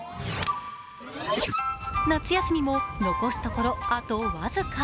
夏休みも、残すところあと僅か。